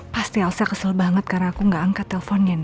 pasti alsa kesel banget karena aku gak angkat teleponnya nih